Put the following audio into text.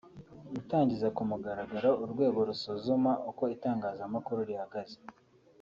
gutangiza ku mugaragaro urwego rusuzuma uko itangazamakuru rihagaze